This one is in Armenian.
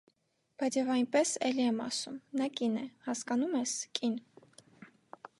Բայց և այնպես, էլի եմ ասում, նա կին է, հասկանո՞ւմ ես, կին.